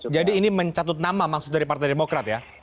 ini mencatut nama maksud dari partai demokrat ya